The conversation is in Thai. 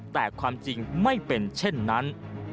แต่ความจริงไม่เป็นเช่นนั้น